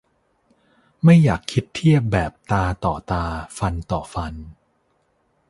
ไม่อยากคิดเทียบแบบตาต่อตาฟันต่อฟัน